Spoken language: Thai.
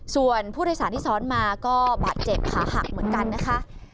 ส่วนผู้โดยสารที่ซ้อนมาก็บาดเจ็บขาหักเหมือนกันนะคะ